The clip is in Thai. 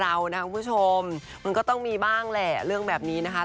เรานะคุณผู้ชมมันก็ต้องมีบ้างแหละเรื่องแบบนี้นะคะ